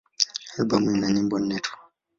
Albamu ina nyimbo nne tu.